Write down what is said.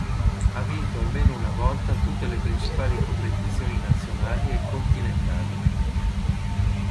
Ha vinto almeno una volta tutte le principali competizioni nazionali e continentali.